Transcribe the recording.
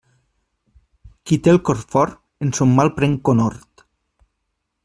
Qui té el cor fort, en son mal pren conhort.